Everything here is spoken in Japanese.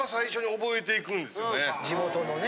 地元のね。